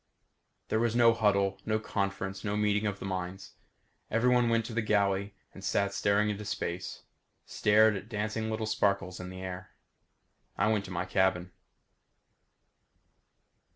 There was no huddle, no conference, no meeting of the minds. Everyone else went to the galley and sat staring into space; stared at the dancing little sparkles in the air. I went to my cabin.